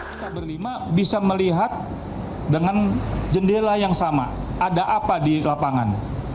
kita berlima bisa melihat dengan jendela yang sama ada apa di lapangan